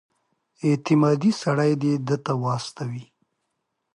اعتمادي سړی دې ده ته واستوي.